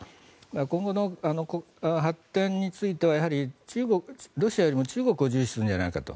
今後の発展についてはロシアよりも中国を重視するんじゃないかと。